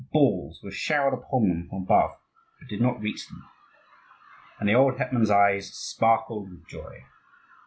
Balls were showered upon them from above but did not reach them. And the old hetman's eyes sparkled with joy.